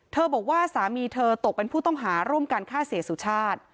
บอกว่าสามีเธอตกเป็นผู้ต้องหาร่วมการฆ่าเสียสุชาติ